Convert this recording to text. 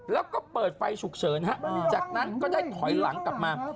แล้วก็เปิดไฟฉุกเฉินจากนั้นก็ได้ถอยหลังกลับมา